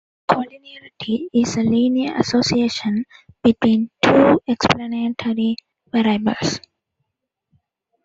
Collinearity is a linear association between "two" explanatory variables.